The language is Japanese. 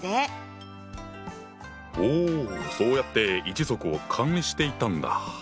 おおそうやって一族を管理していたんだ。